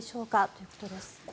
ということです。